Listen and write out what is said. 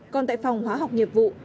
còn tại phòng hóa học nhiệm vụ